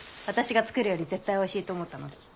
私が作るより絶対おいしいと思ったので。